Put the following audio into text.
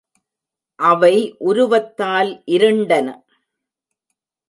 அவை உருவத்தால் இருண்டன.